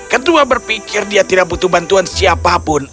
ketua berpikir dia tidak butuh bantuan siapapun